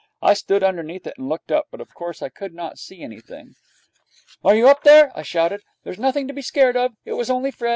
I stood underneath it and looked up, but of course I could not see anything. 'Are you up there?' I shouted. 'There's nothing to be scared at. It was only Fred.